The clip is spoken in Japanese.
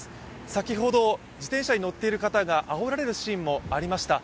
先ほど自転車に乗っている方があおられるシーンもありました。